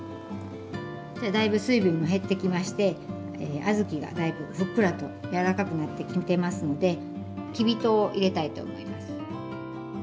だいぶ水分も減ってきまして小豆がだいぶふっくらと柔らかくなってきてますのできび糖を入れたいと思います。